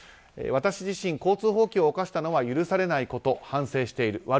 私自身、交通法規を犯したのは許されないこと、反省している。